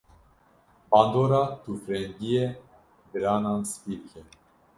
bandora tûfrengiyê diranan spî dike.